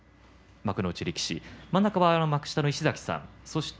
幕内力士、真ん中は幕下の石崎さんですね。